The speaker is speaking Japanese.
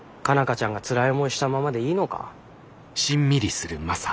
花ちゃんがつらい思いしたままでいいのか？